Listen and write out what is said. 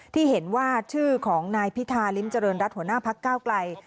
ที่เห็นว่าชื่อของนายพิธาริมเจริญรัฐหัวหน้าพักก้าวไกล